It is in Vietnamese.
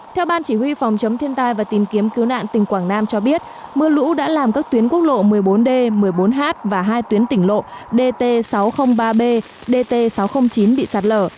theo ban chỉ huy phòng chống thiên tai và tìm kiếm cứu nạn tỉnh quảng nam cho biết mưa lũ đã làm các tuyến quốc lộ một mươi bốn d một mươi bốn h và hai tuyến tỉnh lộ dt sáu trăm linh ba b dt sáu trăm linh chín bị sạt lở